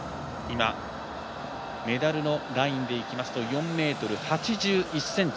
メダルのラインでいきますと４ｍ８１ｃｍ